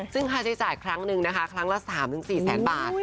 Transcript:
ซึ่งค่าใช้จ่ายครั้งหนึ่งนะคะครั้งละ๓๔แสนบาท